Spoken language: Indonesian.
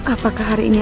apakah hari ini